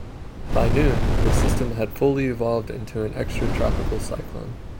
By noon, the system had fully evolved into an extratropical cyclone.